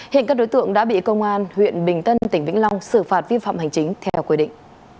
hiện các đối tượng đã bị công an huyện bình tân tỉnh vĩnh long xử phạt vi phạm hành chính theo quy định